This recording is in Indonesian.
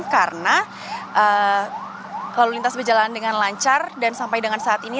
karena lalu lintas berjalan dengan lancar dan sampai dengan saat ini